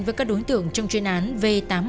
với các đối tượng trong chuyên án v tám trăm một mươi